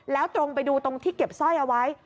แล้วตรงไปดูตรงที่เก็บสร้อยเอาไว้